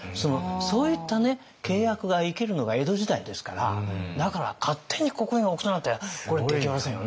そういったね契約が生きるのが江戸時代ですからだから勝手に刻印を押すなんてこれできませんよね。